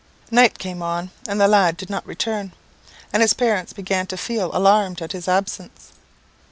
"Night came on and the lad did not return, and his parents began to feel alarmed at his absence.